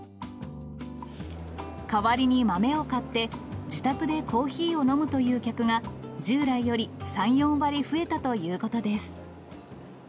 代わりに豆を買って、自宅でコーヒーを飲むという客が従来より３、４割増えたということです。